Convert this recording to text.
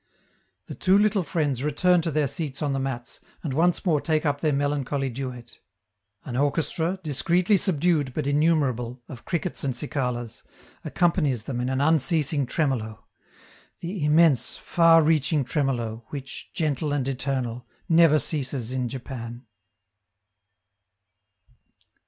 The two little friends return to their seats on the mats, and once more take up their melancholy duet. An orchestra, discreetly subdued but innumerable, of crickets and cicalas, accompanies them in an unceasing tremolo the immense, far reaching tremolo, which, gentle and eternal, never ceases in Japan.